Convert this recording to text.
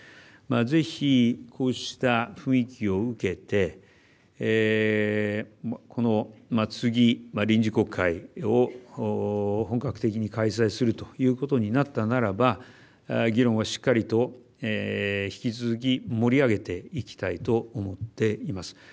ぜひこうした雰囲気を受けてこの次、臨時国会を本格的に開催するということになったならば議論をしっかりと引き続き盛り上げていきたいと思っています。